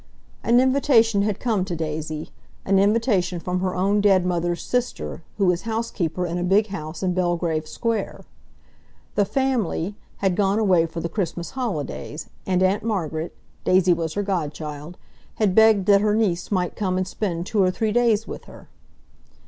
An invitation had come to Daisy—an invitation from her own dead mother's sister, who was housekeeper in a big house in Belgrave Square. "The family" had gone away for the Christmas holidays, and Aunt Margaret—Daisy was her godchild—had begged that her niece might come and spend two or three days with her.